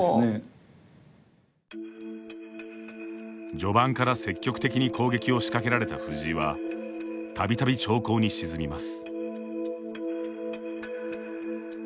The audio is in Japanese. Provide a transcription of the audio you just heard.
序盤から積極的に攻撃を仕掛けられた藤井はたびたび長考に沈みます。